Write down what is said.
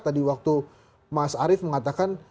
tadi waktu mas arief mengatakan